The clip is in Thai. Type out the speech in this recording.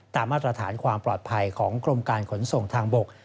มาตรฐานความปลอดภัยของกรมการขนส่งทางบก